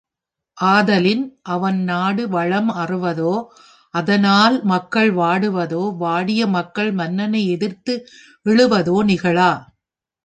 ஆதலின், அவன் நாடு வளம் அறுவதோ, அதனால் மக்கள் வாடுவதோ, வாடிய மக்கள் மன்னனை எதிர்த்து எழுவதோ நிகழா.